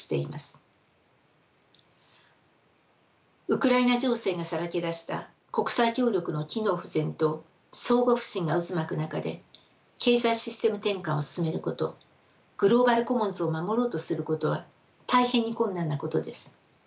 ウクライナ情勢がさらけ出した国際協力の機能不全と相互不信が渦巻く中で経済システム転換を進めることグローバル・コモンズを守ろうとすることは大変に困難なことです。